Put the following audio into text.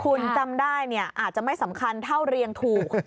คุณจำได้เนี่ยอาจจะไม่สำคัญเท่าเรียงถูก